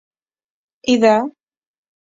إذا؟